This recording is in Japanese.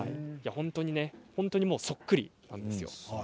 本当に、そっくりなんですよ。